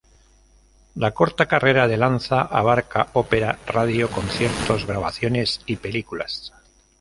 La corta carrera de Lanza abarca ópera, radio, conciertos, grabaciones y películas.